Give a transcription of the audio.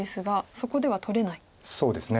そうですね。